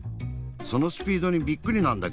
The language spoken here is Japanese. そのスピードにびっくりなんだけど。